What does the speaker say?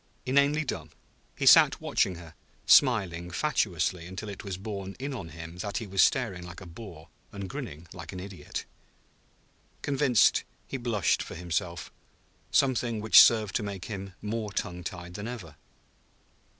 Inanely dumb, he sat watching her, smiling fatuously until it was borne in on him that he was staring like a boor and grinning like an idiot. Convinced, he blushed for himself; something which served to make him more tongue tied than ever.